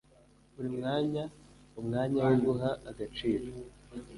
buri mwanya umwanya wo guha agaciro